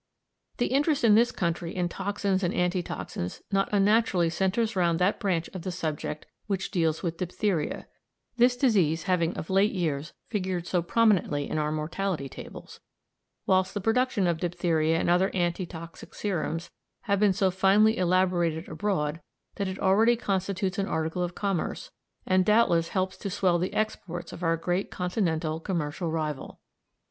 The interest in this country in toxins and anti toxins not unnaturally centres round that branch of the subject which deals with diphtheria, this disease having of late years figured so prominently in our mortality tables, whilst the production of diphtheria and other anti toxic serums has been so finely elaborated abroad that it already constitutes an article of commerce, and doubtless helps to swell the exports of our great continental commercial rival.